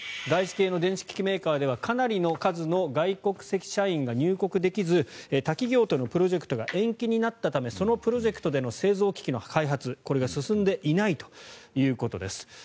外資系の電子機器メーカーではかなりの数の外国籍社員が入国できず他企業とのプロジェクトが延期になったためそのプロジェクトでの製造機器の開発が進んでいないということです。